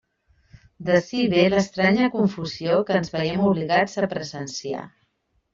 D'ací ve l'estranya confusió que ens veiem obligats a presenciar.